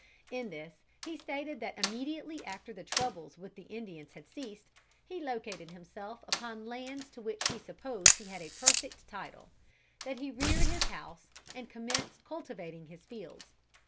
In this he stated that immediately after the troubles with the Indians had ceased, he located himself upon lands to which he supposed he had a perfect title; that he reared his house and commenced cultivating his fields.